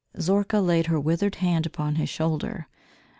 Zorka laid her withered hand upon his shoulder.